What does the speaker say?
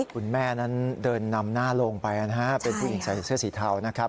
คุณแม่นั้นเดินนำหน้าลงไปนะฮะเป็นผู้หญิงใส่เสื้อสีเทานะครับ